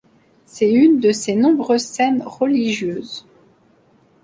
C'est une de ses nombreuses scènes religieuses.